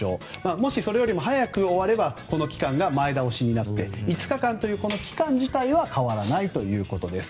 もしそれよりも早く終わればこの期間が前倒しになって５日間というこの期間自体は変わらないということです。